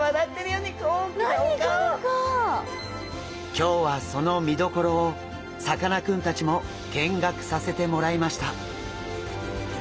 今日はその見どころをさかなクンたちも見学させてもらいました。